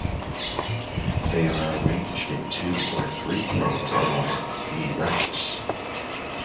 They are arranged in two or three planes along the rachis.